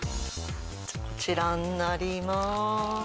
こちらになります。